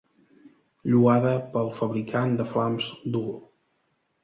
Lloada pel fabricant de flams Dhul.